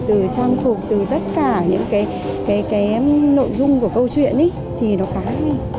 từ trang phục từ tất cả những cái nội dung của câu chuyện ấy thì nó khá hay